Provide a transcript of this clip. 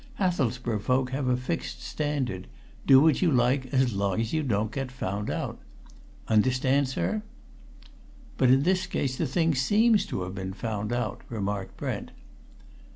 Hathelsborough folk have a fixed standard do what you like, as long as you don't get found out! Understand, sir?" "But in this case the thing seems to have been found out," remarked Brent.